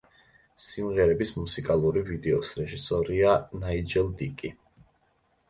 სიმღერის მუსიკალური ვიდეოს რეჟისორია ნაიჯელ დიკი.